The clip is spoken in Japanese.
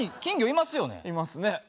いますね。